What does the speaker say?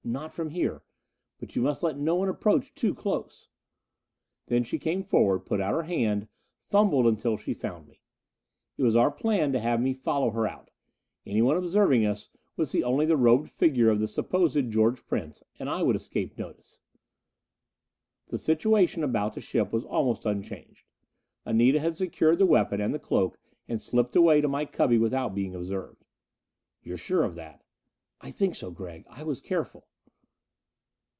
"Not from here. But you must let no one approach too close." Then she came forward, put out her hand, fumbled until she found me. It was our plan to have me follow her out. Anyone observing us would see only the robed figure of the supposed George Prince, and I would escape notice. The situation about the ship was almost unchanged. Anita had secured the weapon and the cloak and slipped away to my cubby without being observed. "You're sure of that?" "I think so, Gregg. I was careful."